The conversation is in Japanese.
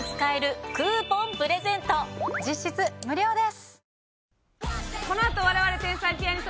実質無料です！